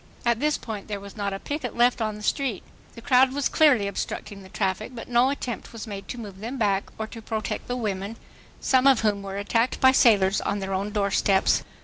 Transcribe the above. At this point there was not a picket left on the street. The crowd was clearly obstructing the traffic, but no attempt was made to move them back or to protect the women, some of whom were attacked by sailors on their own doorsteps.